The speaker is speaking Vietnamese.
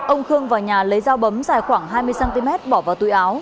ông khương vào nhà lấy dao bấm dài khoảng hai mươi cm bỏ vào túi áo